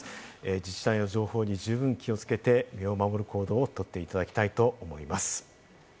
自治体の情報に十分気をつけて身を守る行動をとっていただきたいと思います。